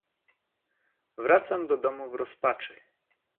"Wracam do domu w rozpaczy."